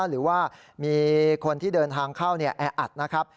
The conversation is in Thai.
หรือว่ามีคนที่เดินทางเข้าแออัดนะครับ